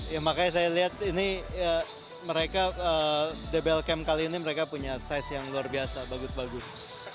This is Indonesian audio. ya makanya saya lihat ini mereka dbl camp kali ini mereka punya size yang luar biasa bagus bagus